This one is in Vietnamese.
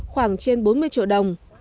khoảng trên bốn mươi triệu đồng